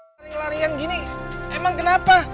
lari larian gini emang kenapa